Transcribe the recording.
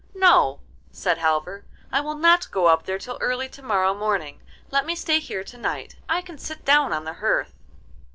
'No,' said Halvor, 'I will not go up there till early to morrow morning; let me stay here to night. I can sit down on the hearth.